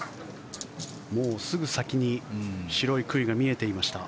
もうすぐ先に白い杭が見えていました。